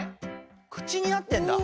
口になってんだ。